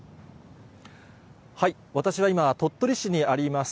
私は今、鳥取市にあります